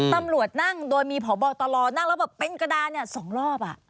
ตำรวจนั่งโดยมีผ่อบอกตลอดนั่งแล้วแป้งกระดาษสองรอบ